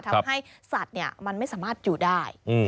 ทำให้สัตว์มันไม่สามารถอยู่ได้